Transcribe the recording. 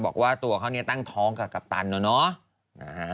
บอกว่าตัวเขาเนี่ยตั้งท้องกับกัปตันแล้วเนาะ